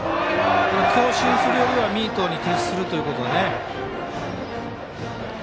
強振するよりはミートに徹するというね。